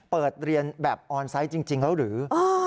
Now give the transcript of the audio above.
เปิดเรียนแบบออนไซต์จริงแล้วหรือ